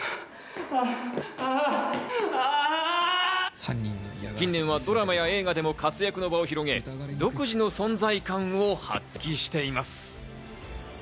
あ、近年はドラマや映画でも活躍の場を広げ、独自の存在感を発揮しています。